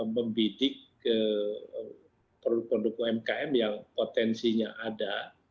membidik produk produk umkm yang potensinya ada